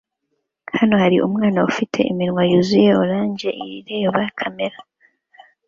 Hano hari umwana ufite iminwa yuzuye orange ireba kamera